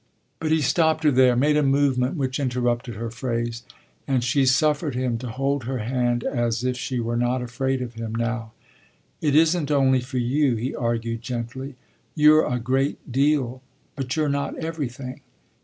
But he stopped her there, made a movement which interrupted her phrase, and she suffered him to hold her hand as if she were not afraid of him now. "It isn't only for you," he argued gently; "you're a great deal, but you're not everything.